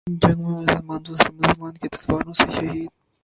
جنگ میں مسلمان دوسرے مسلمانوں کی تلواروں سے شہید